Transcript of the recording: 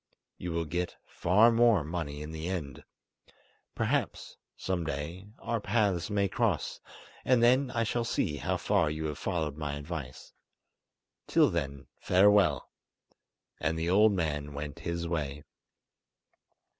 You will get far more money in the end. Perhaps, some day, our paths may cross, and then I shall see how far you have followed my advice. Till then, farewell"; and the old man went his way.